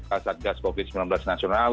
kasatgas covid sembilan belas nasional